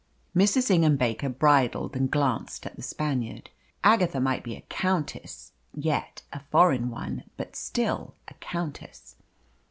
Mrs. Ingham Baker bridled and glanced at the Spaniard. Agatha might be a countess yet a foreign one, but still a countess.